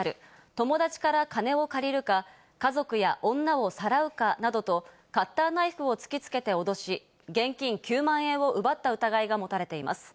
友達から金を借りるか、家族や女をさらうかなどと、カッターナイフを突きつけて脅し、現金９万円を奪った疑いが持たれています。